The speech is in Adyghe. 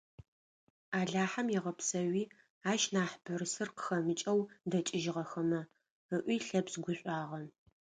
«Алахьэм егъэпсэуи ащ нахь бырысыр къыхэмыкӀэу дэкӀыжьыгъэхэмэ», - ыӀуи Лъэпшъ гушӀуагъэ.